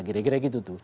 gira gira gitu tuh